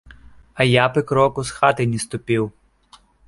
А я б і кроку з хаты не ступіў.